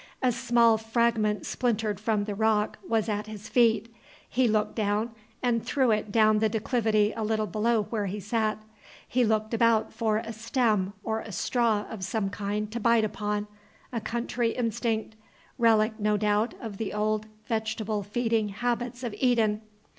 A small fragment splintered from the rock was at his feet. He took it and threw it down the declivity a little below where he sat. He looked about for a stem or a straw of some kind to bite upon, a country instinct, relic, no doubt, of the old vegetable feeding habits of Eden.